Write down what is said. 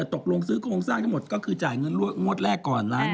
ซสุดท้ายนี้ทุกจุดแต่ตอนแรก